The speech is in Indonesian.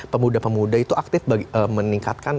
pemuda pemuda itu aktif meningkatkan